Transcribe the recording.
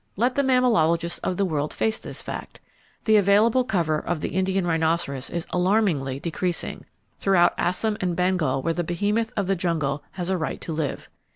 Let the mammalogists of the world face this fact. The available cover of the Indian rhinoceros is alarmingly decreasing, throughout Assam and Bengal where the behemoth of the jungle has a right to live.